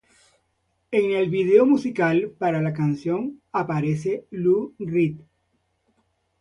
En el video musical para la canción aparece Lou Reed.